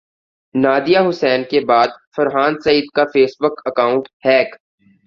Nadia Husain کے بعد فرحان سعید کا فیس بک اکانٹ ہیک